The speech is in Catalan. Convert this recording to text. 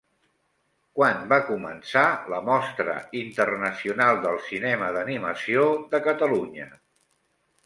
Quan va començar la Mostra Internacional del Cinema d'Animació de Catalunya?